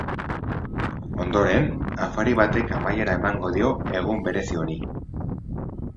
Ondoren, afari batek amaiera emango dio egun berezi honi.